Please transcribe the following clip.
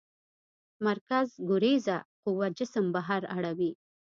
مرکزګریز قوه جسم بهر اړوي.